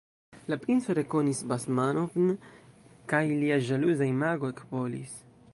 La princo rekonis Basmanov'n, kaj lia ĵaluza imago ekbolis.